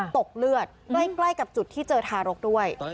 ตกเลือดใกล้กับจุดที่เจอทารกด้วย